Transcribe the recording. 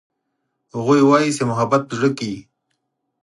هغوی وایي چې محبت په زړه کې وي